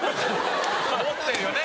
持ってるよね